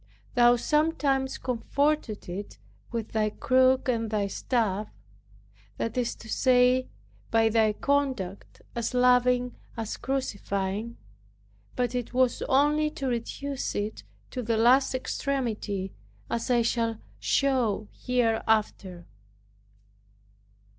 Thou sometimes comforted it with thy crook and Thy staff; that is to say, by Thy conduct as loving as crucifying; but it was only to reduce it to the last extremity, as I shall show hereafter.